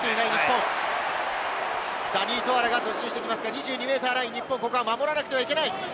２２ｍライン、日本、ここは守らなくてはいけない。